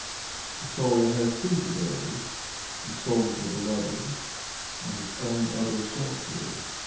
The soul has two to bury: The soul of the beloved And its own other selfhood.